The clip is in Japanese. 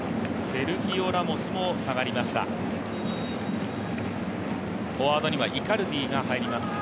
セルヒオ・ラモスも下がりました。